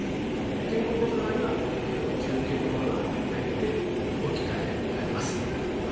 肩甲骨側にはこのような球形のものが入って置き換えられます。